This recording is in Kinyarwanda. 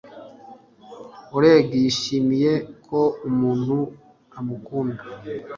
Oleg yishimiye ko umuntu amukunda